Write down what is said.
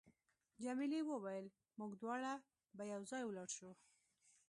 جميلې وويل: موږ دواړه به یو ځای ولاړ شو.